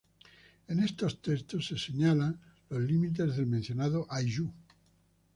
En estos textos, se señalan los límites del mencionado ayllu.